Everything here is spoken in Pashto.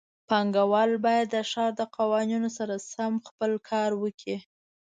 پانګهوال باید د ښار د قوانینو سره سم خپل کار وکړي.